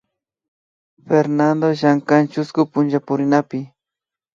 Fernando llankan chusku punchapurinapi